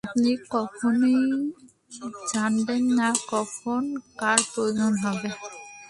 আপনি কখনই জানবেন না কখন কার প্রয়োজন হবে।